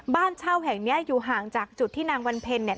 บ้านเช่าแห่งเนี้ยอยู่ห่างจากจุดที่นางวันเพ็ญเนี่ย